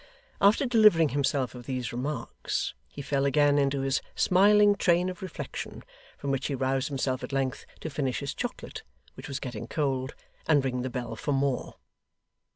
After delivering himself of these remarks, he fell again into his smiling train of reflection; from which he roused himself at length to finish his chocolate, which was getting cold, and ring the bell for more.